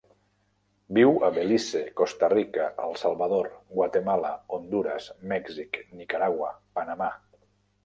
Viu a Belize, Costa Rica, El Salvador, Guatemala, Hondures, Mèxic, Nicaragua, Panamà.